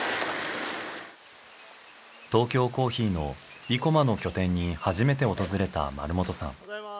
トーキョーコーヒーの生駒の拠点に初めて訪れた丸本さん。